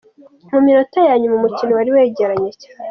Mu minota ya nyuma umukino wari wegeranye cyane.